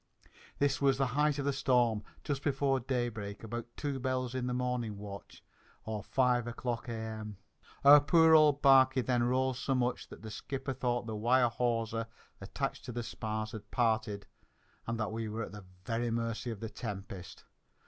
This was in the height of the storm, just before daybreak, about two bells in the morning watch, or five o'clock AM. Our poor old barquey then rolled so much that the skipper thought the wire hawser attached to the spars had parted and that we were at the very mercy of the tempest.